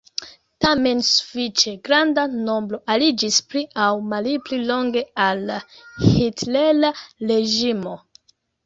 Tamen sufiĉe granda nombro aliĝis pli aŭ malpli longe al la hitlera reĝimo.